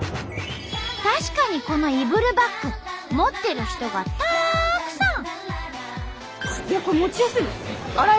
確かにこのイブルバッグ持ってる人がたくさん！